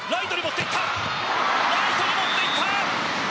ライトにもっていった。